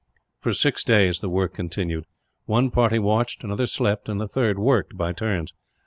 For six days the work continued. One party watched, another slept, and the third worked, by turns.